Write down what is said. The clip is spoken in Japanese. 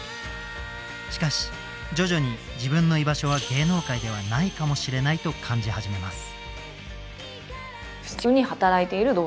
しかし徐々に自分の居場所は芸能界ではないかもしれないと感じ始めます。